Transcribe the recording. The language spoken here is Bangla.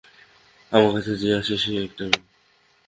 আমার কাছে যে আসে, সে একটা মেয়ে।